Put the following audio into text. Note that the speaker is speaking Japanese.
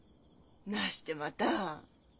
なしてまた？